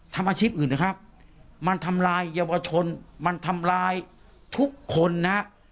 ทำอาชีพอื่นนะครับมันทำลายเยาวชนมันทำลายทุกคนนะ